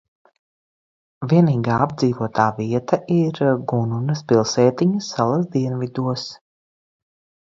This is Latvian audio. Vienīgā apdzīvotā vieta ir Gununas pilsētiņa salas dienvidos.